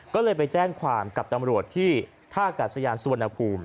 ก็เลยไปแจ้งความกับตำรวจที่ท่ากัดสยานสวนผักนาคม